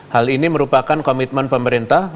hal ini merupakan komitmen pemerintah